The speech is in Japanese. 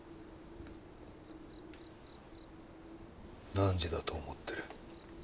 何時だと思ってる。